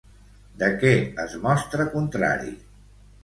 De què es mostra contrari?